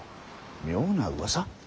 妙なうわさ？